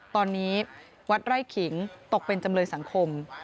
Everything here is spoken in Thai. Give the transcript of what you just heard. ตอนนี้วัดไร่ขิงตกเป็นจำเลยสังคม